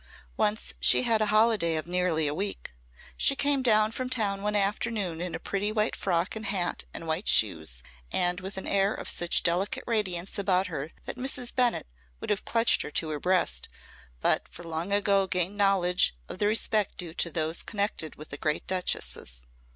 Once she had a holiday of nearly a week. She came down from town one afternoon in a pretty white frock and hat and white shoes and with an air of such delicate radiance about her that Mrs. Bennett would have clutched her to her breast, but for long ago gained knowledge of the respect due to those connected with great duchesses.